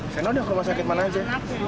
seno rumah sakit mana aja